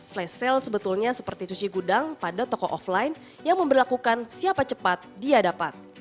flash sale sebetulnya seperti cuci gudang pada toko offline yang memperlakukan siapa cepat dia dapat